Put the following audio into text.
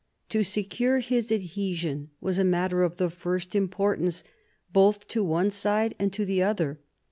To secure his adhesion was a matter of the first importance both to one side and to the other.